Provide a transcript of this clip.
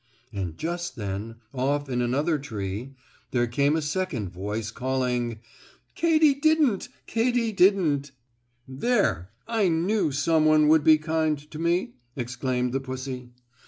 And just then, off in another tree, there came a second voice calling: "Katy didn't! Katy didn't!" "There, I knew some one would be kind to me!" exclaimed the pussy.